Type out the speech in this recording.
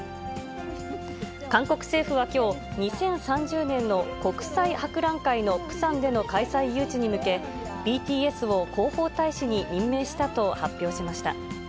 韓国政府はきょう、２０３０年の国際博覧会のプサンでの開催誘致に向け、ＢＴＳを広報大使に任命したと発表しました。